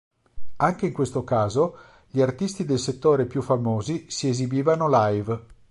Anche in questo caso gli artisti del settore più famosi si esibivano live.